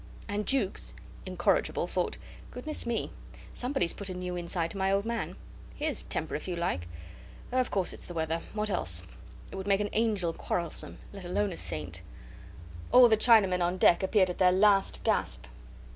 And Jukes, incorrigible, thought: "Goodness me! Somebody's put a new inside to my old man. Here's temper, if you like. Of course it's the weather; what else? It would make an angel quarrelsome let alone a saint." All the Chinamen on deck appeared at their last gasp.